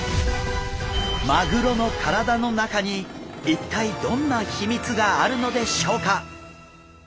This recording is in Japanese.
マグロの体の中に一体どんな秘密があるのでしょうか？